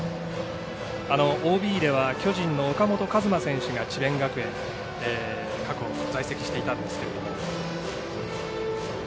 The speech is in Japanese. ＯＢでは巨人の岡本和真選手が智弁学園に在籍していたんですけれども。